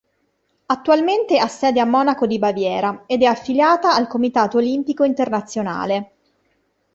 Attualmente ha sede a Monaco di Baviera ed è affiliata al Comitato Olimpico Internazionale.